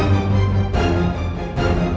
gue pasti bisa selamat